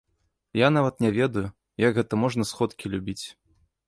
Я нават не ведаю, як гэта можна сходкі любіць.